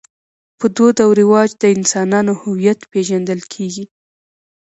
په دود او رواج د انسانانو هویت پېژندل کېږي.